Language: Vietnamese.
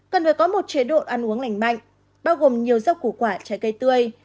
cần phải có một chế độ ăn uống lành mạnh bao gồm nhiều rau củ quả trái cây tươi